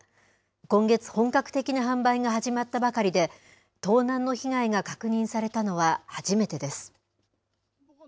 今月、本格的な販売が始まったばかりで、盗難の被害が確認されたのは初めてです。